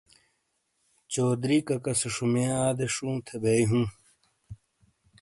چوہدری کاکا سے شمۓ ادے شووں تھے بیۓ ہوں۔